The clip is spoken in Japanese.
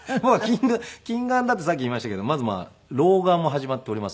近眼だってさっき言いましたけどまず老眼も始まっておりますので。